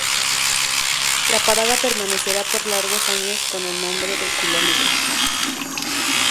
La parada permanecerá por largos años con el nombre de Km.